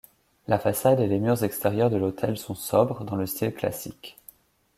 La façade et les murs extérieurs de l'hôtel sont sobres, dans le style classique.